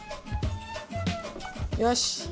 よし。